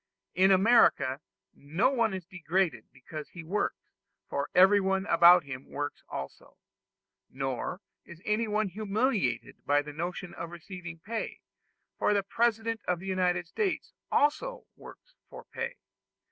In America no one is degraded because he works, for everyone about him works also; nor is anyone humiliated by the notion of receiving pay, for the President of the United States also works for pay.